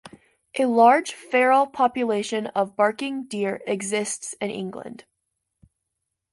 A large feral population of barking deer exists in England.